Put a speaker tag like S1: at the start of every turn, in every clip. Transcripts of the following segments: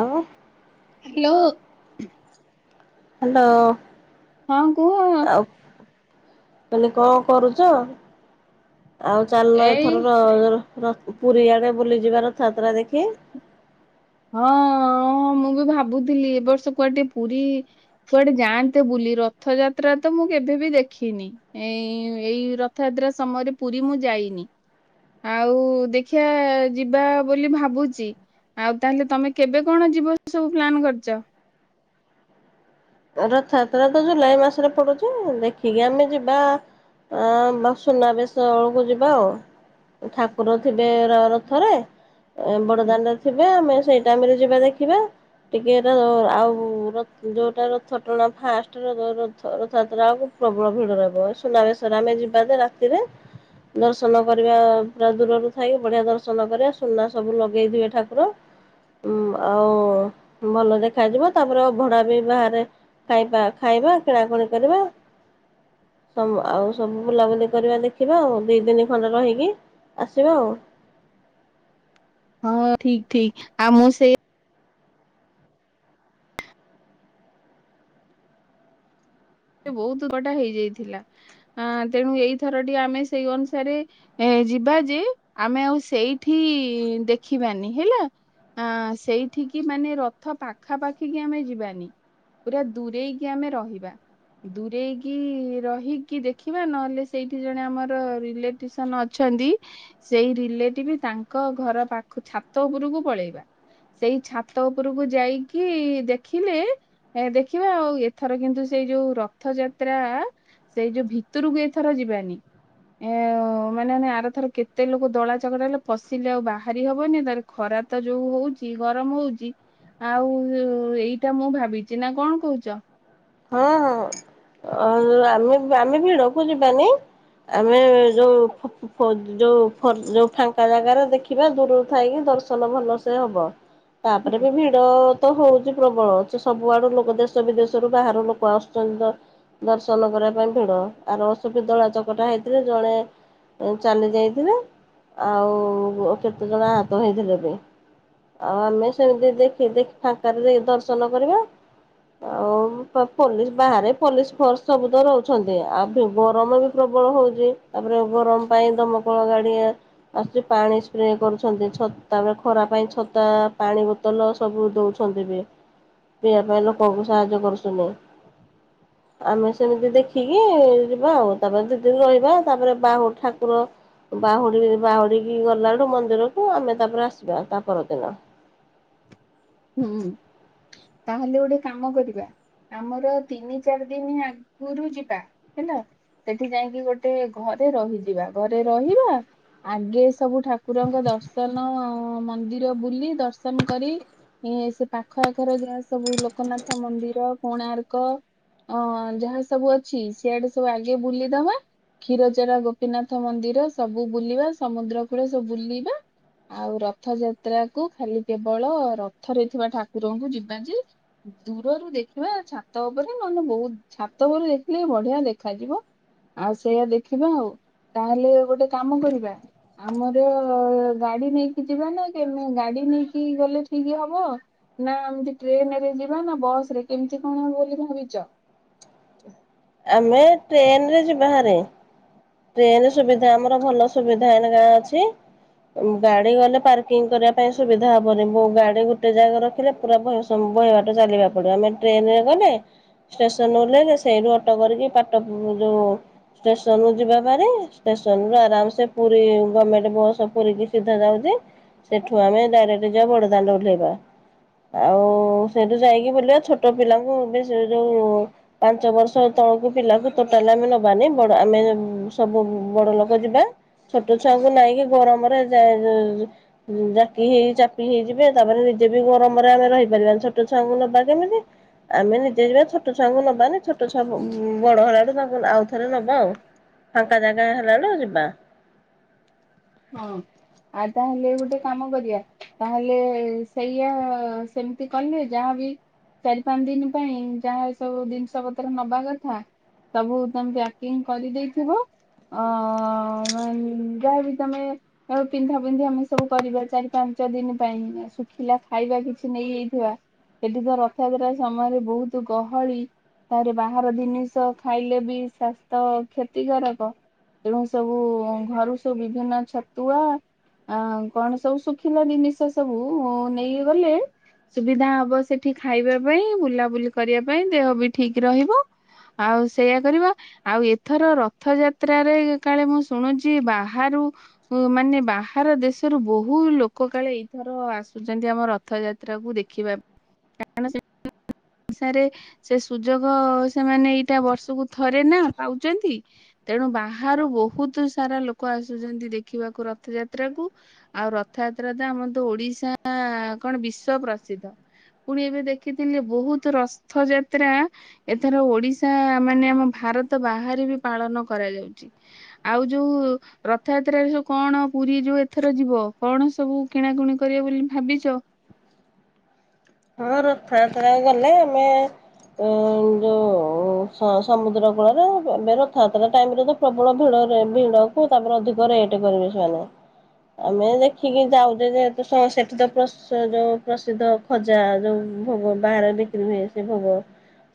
S1: ଆଉ
S2: hello
S1: hello
S2: ହଁ କୁହ।
S1: ତେମେ କଣ କରୁଛ? ଆଉ ଚାଲ
S2: ଏଇ
S1: ଏଥର ର- ର ପୁରୀ ଆଡେ ବୁଲିଯିବା ରଥଯାତ୍ରା ଦେଖି।
S2: ହଁ ମୁଁ ବି ଭାବୁଥିଲି ଏ ବର୍ଷ କୁଆ ଟିକେ ପୁରୀ କୁଆଡେ ଯାଆନ୍ତେ ବୁଲି, ରଥଯାତ୍ରା ତ ମୁଁ କେବେବି ଦେଖିନି। ଏଇ ଏଇ ରଥଯାତ୍ରା ସମୟରେ ପୁରୀ ମୁଁ ଯାଇନି। ଆଉ ଦେଖିବା ଯିବା ବୋଲି ଭାବୁଛି। ଆଉ ତାହେଲେ ତମେ କେବେ କଣ ଯିବ ସବୁ ପ୍ଲାନ୍ କରିଛ?
S1: ରଥଯାତ୍ରା ତ ଜୁଲାଇ ମାସରେ ପଡୁଛି ଦେଖିକି ଆମେ ଯିବା। ଆ ବା ସୁନା ବେଶ ବେଳକୁ ଯିବା ଆଉ। ଠାକୁର ଥିବେ ର ରଥରେ ବଡଦାଣ୍ଡରେ ଥିବେ ଆମେ ସେଇ ଟାଇମ ରେ ଯିବା ଦେଖିବା ଟିକେ ତାର ଆଉ ର ଯୋଉଟା ର ରଥଟଣା ଫାଷ୍ଟ ରଥ ରଥଯାତ୍ରା କୁ ପ୍ରବଳ ଭିଡ଼ ରହିଥିବ ସୁନାବେଶ ରେ ଆମେ ଯିବା ଯେ ରା କିରେ ଦର୍ଶନ କରିବା ପୁରା ଦୂରରୁ ଥାଇ ବଢିଆ ଦର୍ଶନ କରିବା ସୁନା ସବୁ ଲଗେଇଥିବେ ଠାକୁର। ଉ ଆଉ ଭଲ ଦେଖାଯିବ ତାପରେ ଅଭଡା ବି ବାହାରେ ଖାଇବା ଖାଇବା କିଣାକୁଣି କରିବା। ଆଉ ସବୁ ବୁଲାବୁଲି କରିବା ଦେଖିବା ଆଉ ଦି ଦିନି ଖଣ୍ଡେ ରହିକି। ଆସିବା ଆଉ।
S2: ହଁ ଠିକ ଠିକ ଆଉ ମୁଁ ସେ ସେ ବହୁତ କଟା ହେଇଯାଇଥିଲା ଆ ତେଣୁ ଏଇଥରଟି ଆମେ ସେଇ ଅନୁସାରେ ଏ ଯିବା ଯେ ଆମେ ଆଉ ସେଇଠି ଦେଖିବାନି ହେଲା। ଆ ସେଇଠିକି ମାନେ ରଥ ପାଖାପାଖି କି ଆମେ ଯିବାନି। ପୁରା ଦୂରେଇକି ଆମେ ରହିବା। ଦୂରେଇକି ରହିକି ଦେଖିବା ନହେଲେ ସେଇଠି ଜଣେ ଆମର ରିଲେ ସନ୍ ଅଛନ୍ତି। ସେଇ ରିଲେଟିଭ ତାଙ୍କ ଘର ପାଖ ଛାତ ଉପରକୁ ପଳେଇବା। ସେଇ ଛାତ ଉପରକୁ ଯାଇକି ଦେଖିଲେ ଏ ଦେଖିବା ଆଉ ଏଥର କିନ୍ତୁ ସେଇ ଯୋଉ ର ରଥଯାତ୍ରା ସେଇ ଯୋଉ ଭିତୁରୁକୁ ଏଇଥର ଯିବାନି। ଏ ମାନେ ଆମେ ଆର ଥର କେତେ ଲୋକ ଦଳା ଚକଟା ହେଲେ ଫସିଲେ ଆଉ ବାହାରି ହବନି ତାର ଖରା ତ ଯୋଉ ହଉଚି ଗରମ ହଉଚି। ଆଉ ଏଇଟା ମୁଁ ଭାବିଚି ନା କଣ କୋହୁଚ?
S1: ହଁ ହଁ ଆମେ ଆମେ ଭିଡକୁ ଯିବାନି ଆମେ ଯୋଉ ଯୋଉ ଫର ଯୋଉ ଫାଙ୍କା ଜାଗାରେ ଦେଖିବା ଦୂରରୁ ଥାଇକି ଦର୍ଶନ ଭଲସେ ହବ।
S2: ହୁଁ
S1: ତାପରେ ବି ଭି ଭିଡ଼ ତ ହୋଉଚି ପ୍ରବଳ ଯେ ସବୁଆଡୁ ଲୋକ ଦେଶ ବିଦେଶରୁୁ ବାହାର ଲୋକ ଆସୁଚନ୍ତି ଦ ଦର୍ଶନ କରିବା ପାଇଁ ଭିଡ ଆର ବର୍ଷ ଦଳା ଚକଟା ହେଇଥିଲେ ଜଣେ ଚାଲି ଯାଇଥିଲେ ଆଉ କେତେଜଣ ଆହତ ହେଇଥିଲେ ବି। ଆଉ ଆମେ ସେମିତି ଦେଖି ଦେଖ ଫାଙ୍କାରେ ଯାଇ ଦର୍ଶନ କରିବା। ଆଉ [unintelligible] ପୋଲିସ ବାହାରେ ପୋଲିସ ଫୋର୍ଷ ସବୁ ତ ରୋହୁଛନ୍ତି ଆଉ ଗରମ ବି ପ୍ରବଳ ହୋ ଉଚି ତାପରେ ଗରମ ପାଇଁ ଦମ କଳ ଗାଡି ଆସି ପାଣି ସ୍ପ୍ରେ କରୁଛନ୍ତି ଛତା ତାପରେ ଖରା ପାଇଁ ଛତା ପାଣି ବୋତଲ ସବୁ ଦୋଉଛନ୍ତି ବି ପିଇବା ପାଇଁ ଲୋକଙ୍କୁ ସାହାଯ୍ୟ କରୁସୁନି। ଆମେ ସେମିତି ଦେଖିକି ଯିବା ଆଉ ତାପରେ ଦିଦିନି ରହିବାତାପରେ ବାହୁ ଠାକୁର ବାହୁଡି ବାହୁଡିିକି ଗଲାଠୁ ମନ୍ଦିରକୁ ଆମେ ତାପରେ ଆସିବା ତା ପରଦିନ।
S2: ହୁଁ ତାହେଲେ ଗୋଟେ କାମ କରିବା। ଆମର ତିନି ଚାରି ଦିନି ଆଗରୁ ଯିବା ହେଲା। ସେଠି ଯାଇଁକି ଗୋଟେ ଘରେ ରହିଯିବା ଘରେ ରହିବା ଆଗେ ସବୁ ଠାକୁରଙ୍କ ଦର୍ଶନ ମନ୍ଦିର ବୁଲି ଦର୍ଶନ କରି ଏ ସେ ପାଖ ଆଖର ଯାହା ସବୁ ଲୋକନାଥ ମନ୍ଦିର କୋଣାର୍କ ଅ ଯାହା ସବୁ ଅଛି ସିଆଡେ ସବୁ ଆଗେ ବୁଲିଦବା କ୍ଷୀରଚୋରା ଗୋପୀନାଥ ମନ୍ଦିର ସବୁ ବୁଲିବା ସମୁଦ୍ର କୂଳେ ସବୁ ବୁଲିବା ଆଉ ରଥ ଯାତ୍ରା କୁ ଖାଲି କେବଳ ରଥରେ ଥିବା ଠାକୁରଙ୍କୁ ଯିବା ଯେ ଦୂରରୁ ଦେଖିବା ଛାତ ଉପରେ ନଲେ ବୋହୁତ ଛାତ ଉପରେ ଦେଖିଲେ ବଢିଆ ଦେଖାଯିବ। ଆଉ ସେଇଆ ଦେଖିବା ଆଉ ତାହେଲେ ଗୋଟେ କାମ କରିବା ଆମର ଗାଡି ନେଇକି ଯିବା ନା କେ ଗାଡି ନେଇକି ଗଲେ ଠିକ ହବ? ହବ ନା ଏମିତି ଟ୍ରେନରେ ଯିବା ନା ବସ ରେ କେମିତି କଣ ହବ ବୋଲି ଭାବିଚ?
S1: ଆମେ ଟ୍ରେନ ରେ ଯିବା ହାରି। ଟ୍ରେନ ରେ ସୁବିଧା ଆମର ଭଲ ସୁବିଧା ଏଇନେକା ଅଛି। ଗାଡି ଗଲେ ପାର୍କିଂ କରିବା ପାଇଁ ସୁବିଧା ହବନି ଗାଡି ଗୁଟେ ଜାଗା ରଖିଲେ ପୁରା ଭୟସ ତମକୁ ବହେବାଟ ଚାଲିବାକୁ ପଡିବ ଆମେ ଟ୍ରେନ ରେ ଗଲେ ଷ୍ଟେସନରେ ଉହ୍ଲେଇଲେ ସେଇଠୁ ଅଟୋ କରିକି ପାଟ ଯୋଉ ଷ୍ଟେସନ ରୁ ଯିବା ଭାରି ଟେସନ ରୁ ଆରାମସେ ପୁରୀ ଗମେଣ୍ଟ ବସ ପୁରୀ ସିଧା ଯାଉଚି। ସେଠୁ ଆମେ ଡାଇରେକ୍ଟ ଯିବା ବଡ ଦାଣ୍ଡ ଓହ୍ଲେଇବା। ଆଉ ସେଇଠୁ ଯାଇକି ବୁଲିବା ଛୋଟ ପିଲାଙ୍କୁ ବି ସେ ଯୋଉ ପାଞ୍ଚ ବର୍ଷ ତଳକୁ ପିଲାକୁ ଟୋଟାଲ ଆମେ ନବାନି ବଡ଼ ଆମେ ସବୁ ବଡ ଲୋକ ଯିବା ଛୋଟ ଛୁଆଙ୍କୁ ନେଇକି ଗରମରେ ଯ ଜାକି ହେଇ ଚାପି ହେଇଯିବେ ତାପରେ ନିଜେ ବି ଗରମରେ ଆମେ ରହିପାରିବାନି ଛୋଟ ଛୁଆଙ୍କୁ ନବା କେମିତି। ଆମେ ନିଜେ ଯିବା ଛୋଟ ଛୁଆଙ୍କୁ ନବାନି ଛୋଟ ଛୁଆ ବଡ ହେଲାଡୁ ତାଙ୍କୁ ଆଉ ଥରେ ନବା ଆଉ। ଫାଙ୍କା ଜାଗା ହେଲାଠୁ ଯିବା।
S2: ହଁ ଆଉ ତାହେଲେ ଗୋଟେ କାମ କରିବା। ତାହେଲେ ସେଇଆ ସେମିତି କଲେ ଯାହାବି ଚାରି ପାଁନଦିନ ପାଇଁ ଯାହା ଏ ସବୁ ଜିନିଷ ପତ୍ର ନବା କଥା ସବୁ ତମେ ପ୍ୟାକିଙ୍ଗ କରିଦେଇଥିବ ଅ ମାନେ ଯାହାଜେ ତମେ ଆଉ ପିନ୍ଧା ପିନ୍ଧି ଆମେ ସବୁ କରିବା ଚାରି ପାଞ୍ଚ ଦିନ ପାଇଁ ଶୁଖିଲା ଖାଇବା କିଛି ନେଇଯାଇଥିବା। ଏଠି ତ ରଥଯାତ୍ରା ସମୟରେ ବହୁତ ଗହଳି। ତାରେ ବାହାର ଜିନିଷ ଖାଇଲେ ବି ସ୍ୱାସ୍ଥ କ୍ଷତିକାରକ। ତେଣୁ ସବୁ ଘରୁ ସବୁ ବିଭିନ୍ନ ଛତୁଆ ଆ କଣ ସବୁ ଶୁଖିଲା ଜିନିଷ ସବୁ ନେଇକ ଗଲେ ସୁବିଧା ହବ ସେଠି ଖାଇବା ପାଇଁ ବୁଲାବୁଲି କରିବା ପାଇଁ ଦେହ ବି ଠିକ ରହିବ। ଆଉ ସେଇୟଆ କରିବା। ଆଉ ଏଥର ରଥଯାତ୍ରାରେ କାଳେ ମୁଁ ଶୁଣୁଚି ବାହାରୁ ଉ ମାନେ ବାହାର ଦେଶରୁ ବହୁ ଲୋକ କାଳେ ଏଇଥର ଆସୁଚନ୍ତି ଆମର ରଥଯାତ୍ରା କୁ ଦେଖିବା ପାଇଁ। [unintelligible] ଅନସାରେ ସେ ସୁଯୋଗ ସେମାନେ ଏଇଟା ବର୍ଷକୁ ଥରେ ନା ପାଉଚନ୍ତି। ତେଣୁ ବାହାରୁ ବହୁତ ସାରା ଲୋକ ଆସୁଚନ୍ତି ଦେଖିବାକୁ ରଥଯାତ୍ରା କୁ। ଆଉ ରଥଯାତ୍ରା ତ ଆମର ତ ଓଡିଶା କଣ ବିଶ୍ଵ ପ୍ରସିଦ୍ଧ। ପୁଣି ଏବେ ଦେଖିଥିଲି ବହୁତ ରଥଯାତ୍ରା ଏଥର ଓଡିଶା ମାନେ ଆମ ଭାରତ ବାହାରେ ବି ପାଳନ କରାଯାଉଚି। ଆଉ ଯୋଉ ରଥଯାତ୍ରାରେ ସବୁ କଣ ପୁରୀ ଯୋଉ ଏଥର ଯିବ କଣ ସବୁ କିଣାକୁଣି କରିବ ବୋଲି ଭାବିଚ?
S1: ହଁ ରଥଆତ୍ରା କୁ ଗଲେ ଆମେ ଯୋଉ ସମୁଦ୍ର କୂଳରେ ଏବେ ରଥଯାତ୍ରା ଟାଇମରେ ତ ପ୍ରବଳ ଭିଡ ଭିଡ କ ତାପରେ ଅଧିକ ରେଟ୍ କରିବେ ସେମାନେ। ଆମେ ଦେଖିକି ଯାଉଚେ ଯେହେତୁ ସେଠି ତ ଯୋଉ ପ୍ରସିଦ୍ଧ ଖଜା ଯୋଉ ଭୋଗ ବାହାରେ ବିକ୍ରି ହୁଏ ସେ ଭୋଗ।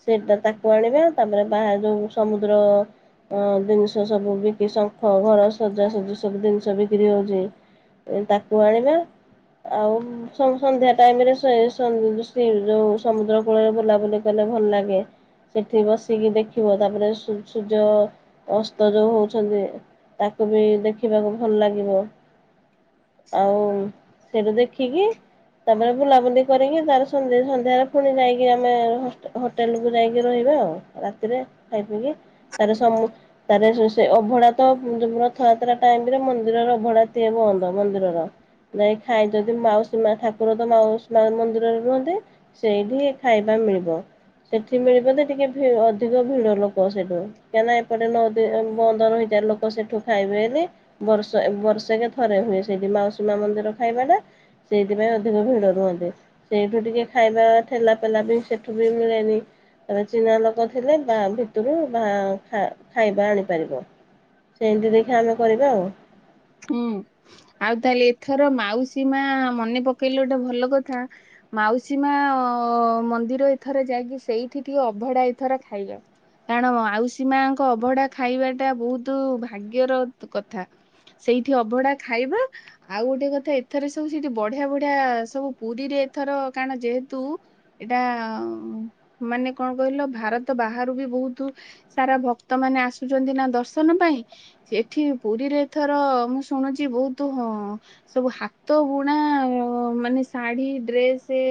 S1: ସେଇଟା ତାକୁ ଆଣିବା ତାପରେ ବା ଯେଉଁ ସମୁଦ୍ର ଅ ଜିନିଷ ସବୁ ବିକି ଶଙ୍ଖ ଘର ସଜାସଜିା ସବୁ ଜିନିଷ ବିକ୍ରି ହଉଚି ତାକୁ ଆଣିବା। ଆଉ ସନ୍ଧ୍ୟା ଟାଇମ ରେ ଯୋଉ ସମୁଦ୍ର କୂଳରେ ବୁଲାବୁଲି କଲେ ଭଲ ଲାଗେ। ସେଠି ବସିକି ଦେଖିବ ତାପରେ ସୂର୍ଯ୍ୟ ଅସ୍ତ ଯୋଉ ହଉଚନ୍ତି ତାକୁ ବି ଦେଖିବାକୁ ଭଲ ଲାଗିବ। ଆଉ ସେଠୁ ଦେଖିକି ତାପରେ ବୁଲାବୁଲି କରିକି ତାର ସନ୍ଧ୍ୟା ସନ୍ଧ୍ୟାରେ ପୁଣି ଯାଇକି ଆମେ ହସ ହୋଟେଲକୁ ଯାଇକି ରହିବା ଆଉ। ରାତିରେ ଖାଇ ପିଇକି ତାର ସମ ତା ସେ ଅଭଢଡା ତ ରଥଯାତ୍ରା ଟାଇମରେ ମନ୍ଦିରର ଅଭଡା ଏ ବନ୍ଦ ମନ୍ଦିରର। ନାଇଁ ଖାଇ ଯଦି ମାଉସୀ ମା ଠାକୁର ତ ମାଉସୀ ମନ୍ଦିରରେ ରୁହନ୍ତେ ସେଇଠି ଖାଇବା ମିଳିବ। ସେଠି ମିଳିବ ତ ଟିକେ ଭି ଅଧିକ ଭିଡ ଲୋକ ସେଠୁ। କାଁନା ଏପଟେ ନଦ ବନ୍ଦର ହେଇଯା ଲୋକ ସେଠୁ ଖାଇବେ ବୋଲି। ବର୍ଷ ବର୍ଷେକ ଥରେ ହୁଏ ସେଇଠି ମାଉସୀମା ମନ୍ଦିର ଖାଇବା ଟା। ସେଇଥିପାଇଁ ଅଧିକ ଭିଡ ରୁହନ୍ତି। ସେଇଠୁ ଟିକେ ଖାଇବା ଥିଲା ପା ବି ସେଠୁ ବି ମିଳେନି। ତା ଚିହ୍ନା ଲୋକ ଥିଲେ ବା ଭିତରୁ ବା ଖାଇବା ଆଣିପାରିବ। ସେଇମିତି ଦେଖିଆ ଆମେ କରିବା ଆଉ।
S2: ହୁଁ ଆଉ ତାହେଲେ ଏଥର ମାଉସୀ ମା ମନେ ପକେଇଲେ ଗୋଟେ ଭଲ କଥା। ମାଉସୀ ମା ମନ୍ଦିର ଏଥର ଯାଇକି ସେଇଠି ଟିକେ ଅଭଢା ଏଥର ଖାଇଆ। କାରଣ ଆଉଷୀ ମାଙ୍କ ଅଭଢା ଖାଇବାଟା ବହୁତ ଭାଗ୍ୟର କଥା। ସେଇଠି ଅଭଢା ଖାଇବା ଆଉ ଗୋଟେ କଥା ଏଥର ସବୁ ସେଠି ବଢିଆ ବଢିଆ ସବୁ ପୁରୀରେ ଏଥର କାରଣ ଯେହେତୁ ଏଇଟା ମାନେ କଣ କହିଲ ଭାରତ ବାହାରୁ ବି ବୋହୁତୁ ସାରାଭକ୍ତ ମାନେ ଆସୁଛନ୍ତି ନା ଦର୍ଶନ ପାଇଁ ସେଠି ପୁରୀରେ ଏଥର ମୁଁ ଶୁଣୁଚି ବୋହୁତ ହଁ ସବୁ ହାତବୁଣା ମାନେ ଶାଢୀ ଡ୍ରେସେ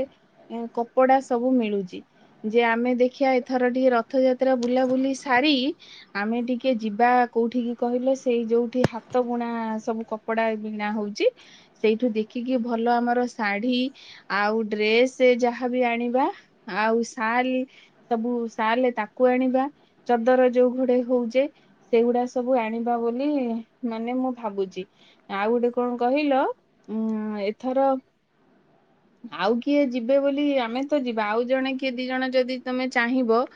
S2: ଏଁ କପଡା ସବୁ ମିଳୁଚି। ଯେ ଆମେ ଦେଖିଆ ଏଥର ଟିକେ ରଥଯାତ୍ରା ବୁଲାବୁଲି ସାରି ଆମେ ଟିକେ ଯିବା କୋଉଠିକି କହିଲ ସେଇ ଯୋଉଠି ହା ହାତ ବୁଣା ସବୁ କପଡା ବିଣା ହୋଉଚି ସେଇଠୁ ଦେଖିକି ଭଲ ଆମର ଶାଢୀ ଆଉ ଡ୍ରେସେ ଯାହାବି ଆଣିବା ଆଉ ଶାଲ ସବୁ ଶାଲେ ତାକୁ ଆଣିବା ଚଦର ଯୋଉ ଘୋଡେଇ ହୋଉଚେ ସେଇଗୁଡା ସବୁ ଆଣିବା ବୋଲି ମାନେ ମୁଁ ଭାବୁଚି ଆଉ ଗୋଟେ କଣ କହିଲ ଉଁ ଏଥର ଆଉ କିଏ ଯିବେ ବୋଲି ଆମେ ତ ଯିବା ଆଉ ଜଣେ କିଏ ଦି ଜଣ ଯଦି ତମେ ଚାହିଁବ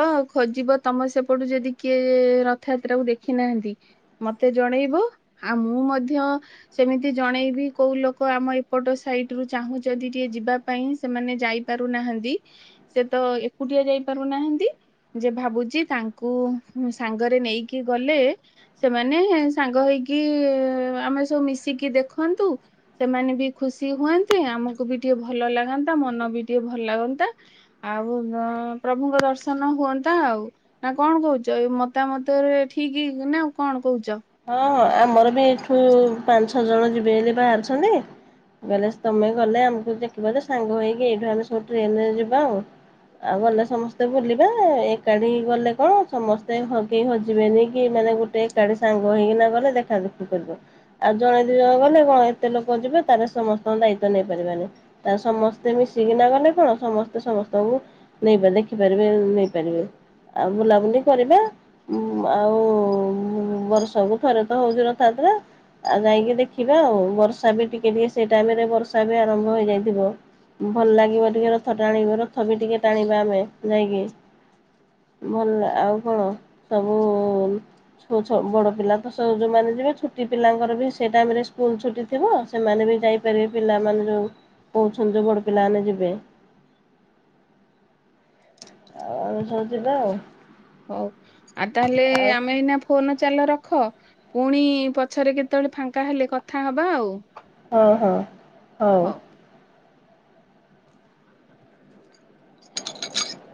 S2: ଓଃ ଖୋଜିବ ତମ ସେପଟୁ ଯଦି କିଏ ରଥଯାତ୍ରାକୁ ଦେଖି ନାହାନ୍ତି? ତେ ଜଣେଇବ ଆଉ ମୁଁ ମଧ୍ୟ ସେମିତି ଜଣେଇବି କୋଉ ଲୋକ ଆମ ଏପଟ ସାଇଟରୁ ଚାହୁଁଚନ୍ତି ଟିକେ ଯିବାକୁ? ପାଇଁ ସେମାନେ ଯାଇ ପାରୁନାହାନ୍ତି ସେ ତ ଏକୁଟିଆ ଯାଇପାରୁନାହାନ୍ତି। ଯେ ଭାବୁଚି ତାଙ୍କୁ ମୁଁ ସାଙ୍ଗରେ ନେଇକି ଗଲେ ନେ ସାଙ୍ଗ ହେଇକି ଆମେ ସବୁ ମିଶିକି ଦେଖନ୍ତୁ। ସେମାନେ ବି ଖୁସି ହୁଅନ୍ତେ ଆମକୁ ବି ଟିକେ ଭଲ ଲାଗନ୍ତା ମନ ବି ଟିକେ ଭଲ ଲାଗନ୍ତା। ଆଉ ଅଁ ପ୍ରଭୁଙ୍କ ଦର୍ଶନ ହୁଅନ୍ତା ଆଉ। ନା କଣ କୋହୁଚ ଏ ମତାମତରେ ଠିକକିନା ଆଉ କଣ କୋହୁଚ?
S1: ହଁ ଆମର ବି ଏଠୁ ପାଞ୍ଚ ଛଅ ଜଣ ଯିବେବେଲି ବାହାରୁଛନ୍ତି। ଗଲେ ସେ ତମେ ଗଲେ ଆମକୁ ଡ଼ାକିବଯେ ସାଙ୍ଗ ହେଇକି ଏଇଠୁ ଆମେ ସବୁ ଟ୍ରେନରେ ଯିବା ଆଉ। ଆଉ ଗଲେ ସମସ୍ତେ ବୁଲିବାଏକାଠି ଗଲେ କଣ ସମସ୍ତେ ହକେହି ହଜିବେନି କି ଏମାନେ ଗୋଟେ ଗୋଟେ ଏକାଠି ସାଙ୍ଗ ହେଇକିନା ଗଲେ ଦେଖାଦୁଖି କରିବ। ଆଉ ଜଣେ ଦିଜଣ ଗଲେ କଣ ଏତେ ଲୋକ ଯିବେ ତାର ସମସ୍ତଙ୍କ ଦାୟିତ୍ବ ନେଇପାରିବାନି। ତା ସମସ୍ତେ ମିଶିକିନା ଗଲେ କଣ ସମସ୍ତେ ସମସ୍ତଙ୍କୁ ନେଇପା ଦେଖିପାରିବେ ନେଇପାରିବେ। ଆଉ ବୁଲାବୁଲି କରିବା ମୁଁ ଆଉ ମୁଁ ମୋର ଷବୁ ଥରେତ ହୋଉଚି ରଥଯାତ୍ରା। ଆଉ ଯାଇଁକି ଦେଖିବା ଆଉ ବର୍ଷା ବି ଟିକେ ଟିକେ ସେଇ ଟାଇମରେ ବର୍ଷା ବି ଆରମ୍ଭ ହୋଇଯାଇଥିବ। ଭଲ ଲାଗିବ ଟିକେ ରଥ ଟାଣିବର ରଥ ବି ଟିକେ ଟାଣିବା ଆମେ ଯାଇଁକି। ଭଲ ଲା ଆଉ କଣ ସବୁ ହଁ ବଡ଼ ପିଲାତ ସୋ ଯୋଉମାନେ ଯିବେ ଛୁଟି ପିଲାଙ୍କର ବି ସେ ଟାଇମରେ ସ୍କୁଲ ଛୁଟି ଥିବ। ସେମାନେ ବି ଯାଇପାରିବେ ପିଲାମାନେ ଯୋଉ କହୁଛନ୍ତି ଯେ ବଡପିଲାମାନେ ଯିବେ। ଆ ଆ ସବୁ ଯିବାଆଉ।
S2: ହୋଉ ଆଉ ତାହଲେ ଆମେ ଏଇନା ଫୋ ଫୋନ ଚାଲ ରଖ ପୁଣି ପଛରେ କେତେବେଳେ ଫାଙ୍କା ହେଲେ କଥା ହବା ଆଉ।
S1: ହଁ ହଁ ହଉ। [inaudible]